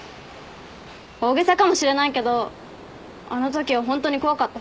大げさかもしれないけどあのときはホントに怖かった。